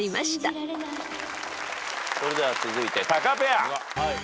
それでは続いてタカペア。